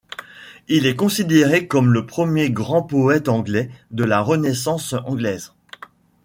Il est considéré comme le premier grand poète anglais de la Renaissance anglaise.